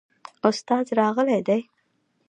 استاد راغلی دی؟